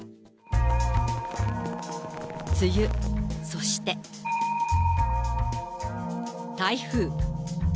梅雨、そして、台風。